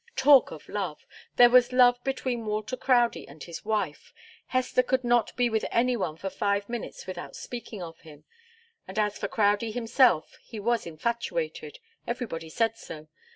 Talk of love! There was love between Walter Crowdie and his wife. Hester could not be with any one for five minutes without speaking of him, and as for Crowdie himself, he was infatuated. Everybody said so.